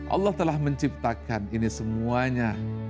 allah telah menciptakan ini semuanya